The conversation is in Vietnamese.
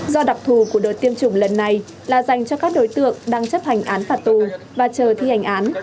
do đặc thù của đợt tiêm chủng lần này là dành cho các đối tượng đang chấp hành án phạt tù và chờ thi hành án